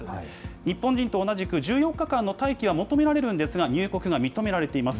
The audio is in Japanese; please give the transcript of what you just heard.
日本人と同じく１４日間の待機は求められるんですが、入国が認められています。